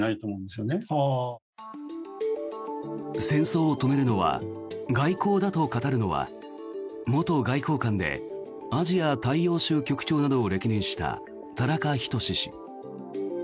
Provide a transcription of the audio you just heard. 戦争を止めるのは外交だと語るのは元外交官でアジア大洋州局長などを歴任した田中均氏。